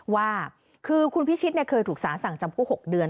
ว่าคือคุณพิชิตเคยถูกสารสั่งจำคุก๖เดือน